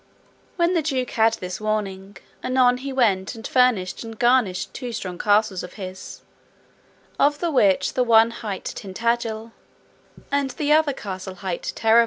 When the duke had this warning, anon he went and furnished and garnished two strong castles of his, of the which the one hight Tintagil, and the other castle hight Terrabil.